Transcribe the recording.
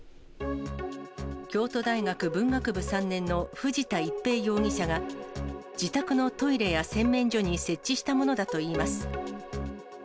京都大学文学部３年の藤田逸平容疑者が、自宅のトイレや洗面所に設置したものだといいます。